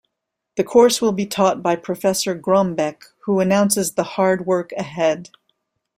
The course will be taught by Professor Grombek, who announces the hard work ahead.